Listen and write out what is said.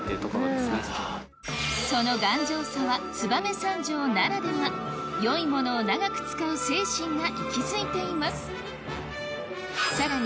その頑丈さは燕三条ならでは良いものを長く使う精神が息づいています